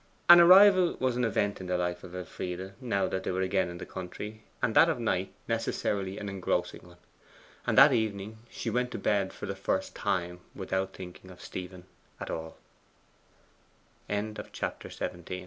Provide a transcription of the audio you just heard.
An arrival was an event in the life of Elfride, now that they were again in the country, and that of Knight necessarily an engrossing one. And that evening she went to bed for the first time without thinking of Stephen at all.